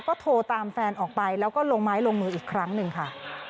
ก็โทรตามแฟนออกไปแล้วก็ลงไม้ลงมืออีกครั้งหนึ่งค่ะ